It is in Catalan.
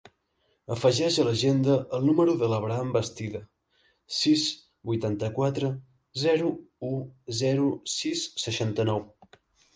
Afegeix a l'agenda el número de l'Abraham Bastida: sis, vuitanta-quatre, zero, u, zero, sis, seixanta-nou.